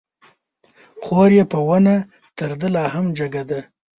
خور يې په ونه تر ده لا هم جګه ده